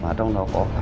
bà vượng nói các chuyện